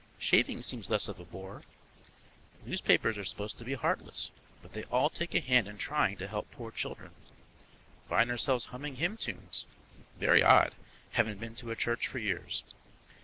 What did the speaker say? Shaving seems less of a bore. Newspapers are supposed to be heartless, but they all take a hand in trying to help poor children. Find ourselves humming hymn tunes. Very odd, haven't been to a church for years.